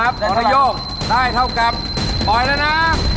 อันนี้ได้เท่ากับปล่อยแล้วนะ